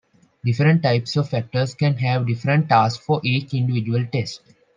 Different types of actors can have different tasks for each individual test.